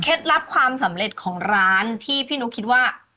ลับความสำเร็จของร้านที่พี่นุ๊กคิดว่า